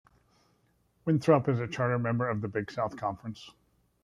Winthrop is a charter member of the Big South Conference.